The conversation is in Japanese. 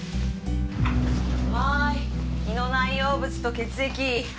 はい胃の内容物と血液。